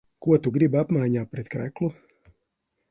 Ko tu gribi apmaiņā pret kreklu?